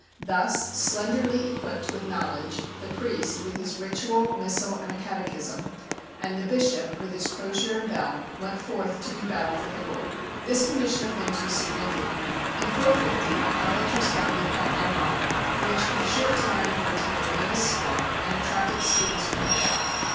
Thus, slenderly equipped with knowledge, the priest, with his ritual, missal, and a catechism, and the bishop, with his crozier and bell, went forth to do battle for the Lord. This condition of things was soon ended. In 450 a college was founded at Armagh, which in a short time grew to be a famous school, and attracted students from afar.